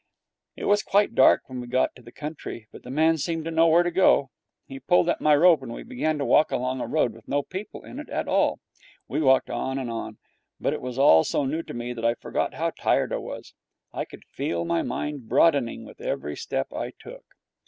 It was quite dark when we got to the country, but the man seemed to know where to go. He pulled at my rope, and we began to walk along a road with no people in it at all. We walked on and on, but it was all so new to me that I forgot how tired I was. I could feel my mind broadening with every step I took.